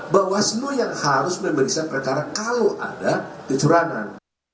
bawah selu yang harus memberi sepertara kalau ada kecurangan